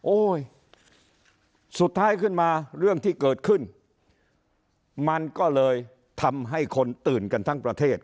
สุดท้ายขึ้นมาเรื่องที่เกิดขึ้นมันก็เลยทำให้คนตื่นกันทั้งประเทศ